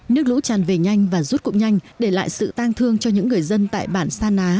nước lũ tràn về nhanh và rút cụm nhanh để lại sự tang thương cho những người dân tại bản sa ná